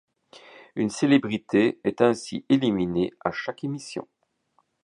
Une célébrité est ainsi éliminée à chaque émission.